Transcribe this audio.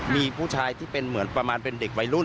มีผู้ชายที่เป็นเหมือนประมาณเป็นเด็กวัยรุ่น